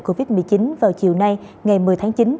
covid một mươi chín vào chiều nay ngày một mươi tháng chín